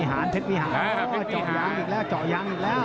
ถ้าสำนาญก็ให้มีกับเพชรชัย